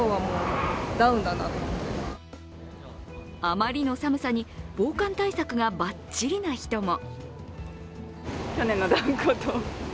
あまりの寒さに防寒対策がバッチリな人も。